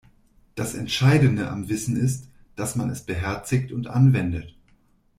Das Entscheidende am Wissen ist, dass man es beherzigt und anwendet.